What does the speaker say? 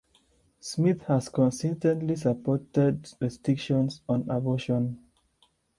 Smith has consistently supported restrictions on abortion.